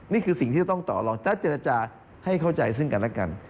นี่คือสิ่งที่จะต้องต่อลองถ้าเจรจาให้เข้าใจซึ่งกันและกัน